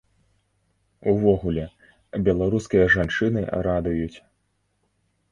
Увогуле, беларускія жанчыны радуюць.